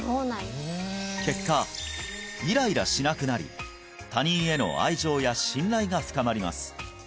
結果イライラしなくなり他人への愛情や信頼が深まります